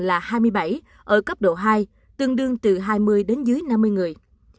là hai mươi bảy ở cấp độ hai tương đương từ hai mươi đến dưới năm mươi người